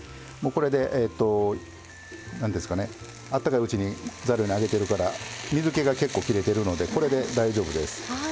これで、あったかいうちにざるに上げてるから水けが結構、切れてるのでこれで大丈夫です。